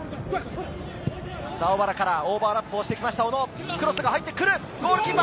小原からオーバーラップしてきました、小野、クロスが入ってくる。